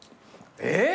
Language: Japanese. えっ？